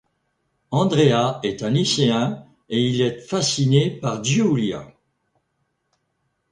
Andrea est un lycéen et il est fasciné par Giulia.